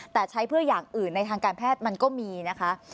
แต่ใช้เพื่ออย่างอื่นในทางการแพทย์มันก็มีนะคะ